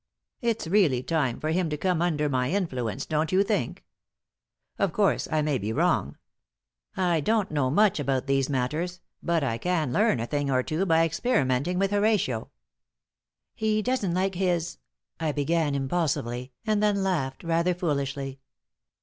It's really time for him to come under my influence, don't you think? Of course, I may be wrong. I don't know much about these matters, but I can learn a thing or two by experimenting with Horatio." "He doesn't like his " I began, impulsively, and then laughed, rather foolishly.